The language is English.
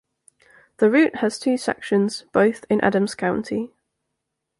The route has two sections, both in Adams County.